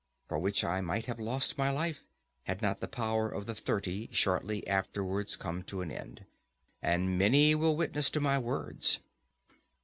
For which I might have lost my life, had not the power of the Thirty shortly afterwards come to an end. And many will witness to my words.